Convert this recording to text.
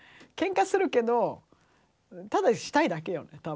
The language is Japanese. けんかするけどただしたいだけよね